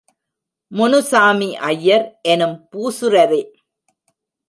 முனுசாமி ஐயர் எனும் பூசுரரே!